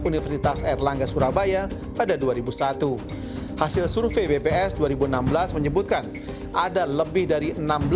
universitas erlangga surabaya pada dua ribu satu hasil survei bps dua ribu enam belas menyebutkan ada lebih dari